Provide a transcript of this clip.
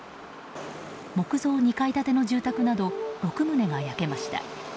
木造２階建ての住宅など６棟が焼けました。